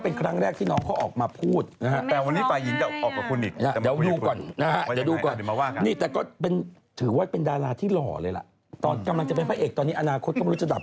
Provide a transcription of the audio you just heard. เพราะเด็กผู้ชายอายุ๑๘ไม่กล้าบอกแม่ตัวเองผมจะแต่งงานแล้วนะครับ